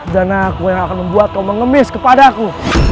dan aku yang akan membuat kau mengemis kepadaku